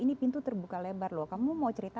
ini pintu terbuka lebar loh kamu mau cerita